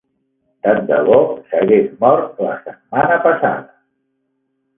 Tant de bo s'hagués mort la setmana passada!